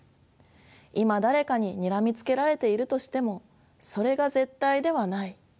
今誰かににらみつけられているとしてもそれが絶対ではない。